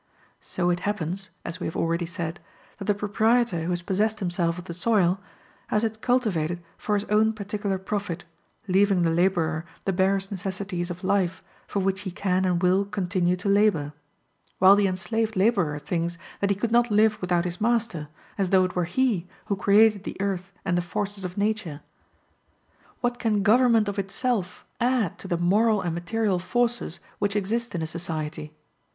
So it happens (as we have already said) that the proprietor who has possessed himself of the soil, has it cultivated for his own particular profit, leaving the laborer the barest necessities of life for which he can and will continue to labor. While the enslaved laborer thinks that he could not live without his master, as though it were he who created the earth and the forces of nature. What can government of itself add to the moral and material forces which exist in a society?